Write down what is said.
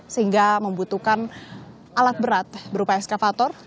sehingga membutuhkan alat berat berupa eskavator